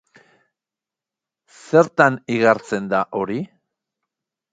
Zertan igartzen da hori?